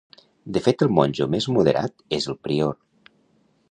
De fet el monjo més moderat és el prior.